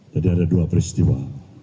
tadi ada dua peristiwa